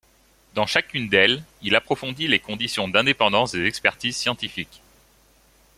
Dans chacune d'elles, il approfondit les conditions d'indépendance des expertises scientifiques.